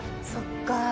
そっか。